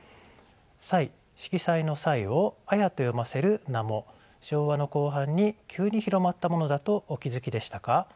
色彩の「彩」を「あや」と読ませる名も昭和の後半に急に広まったものだとお気付きでしたか？